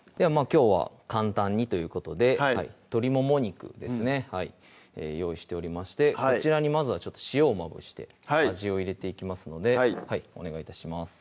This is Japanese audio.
きょうは簡単にということで鶏もも肉ですね用意しておりましてこちらにまずは塩をまぶして味を入れていきますのでお願い致します